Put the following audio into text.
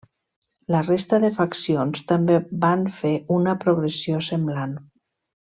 La resta de faccions també van fer una progressió semblant.